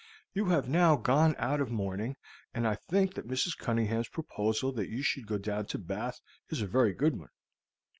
You have now gone out of mourning, and I think that Mrs. Cunningham's proposal that you should go down to Bath is a very good one.